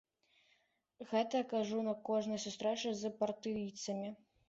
Гэта я кажу на кожнай сустрэчы з партыйцамі.